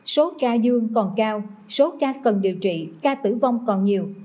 số ca dương còn cao số ca cần điều trị ca tử vong còn nhiều